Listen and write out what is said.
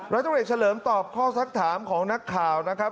ร้อยตำรวจเอกเฉลิมตอบข้อสักถามของนักข่าวนะครับ